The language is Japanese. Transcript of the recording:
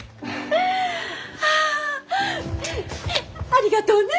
ありがとうね！